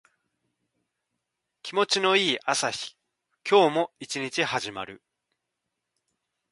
気持ちの良い朝日。今日も一日始まる。